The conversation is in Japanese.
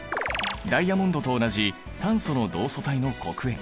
ダイヤモンドと同じ炭素の同素体の黒鉛。